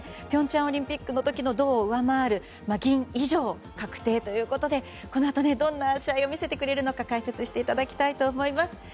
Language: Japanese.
平昌オリンピックの時の銅を上回る銀以上確定ということでこのあとどんな試合を見せてくれるのか解説していただきたいと思います。